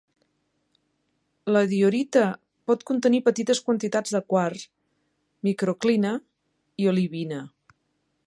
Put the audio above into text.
La diorita pot contenir petites quantitats de quars, microclina i olivina.